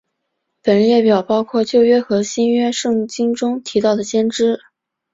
本列表包括旧约和新约圣经中提到的先知。